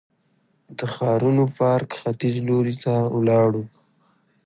د ښارنو پارک ختیځ لوري ته ولاړو.